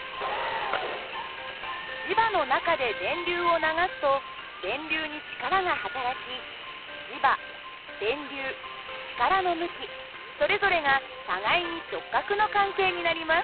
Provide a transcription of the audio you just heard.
磁場の中で電流を流すと電流に力が働き磁場電流力の向きそれぞれが互いに直角の関係になります。